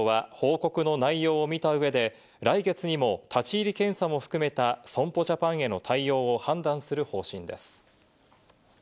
金融庁は報告の内容を見た上で、来月にも立ち入り検査も含めた損保ジャパンへの対応を判断する方針です。